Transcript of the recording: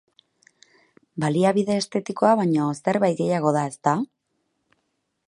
Baliabide estetikoa baino zerbait gehiago da, ezta?